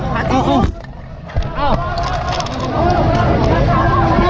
สวัสดีครับทุกคน